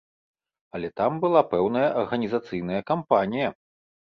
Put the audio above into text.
Але там была пэўная арганізацыйная кампанія.